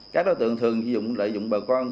các đối tượng thường dùng lợi dụng bà con